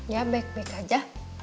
ya baik baik aja